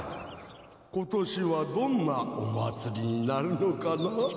ことしはどんなおまつりになるのかな？